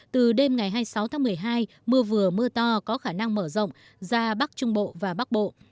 từ đêm ngày hai mươi sáu tháng một mươi hai mưa vừa mưa to có khả năng mở rộng ra bắc trung bộ và bắc bộ